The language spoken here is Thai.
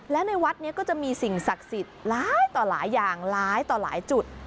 และในวัดนี้ก็จะมีสิ่งศักดิ์สิทธิ์หลายต่อหลายอย่างหลายต่อหลายจุด